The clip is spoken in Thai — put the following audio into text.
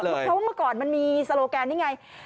เพราะว่าเมื่อก่อนมีโฆษีนี่ไง